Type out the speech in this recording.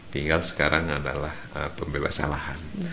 tinggal sekarang adalah pembebasan lahan